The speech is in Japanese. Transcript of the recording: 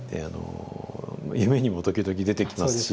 夢にも時々出てきますし。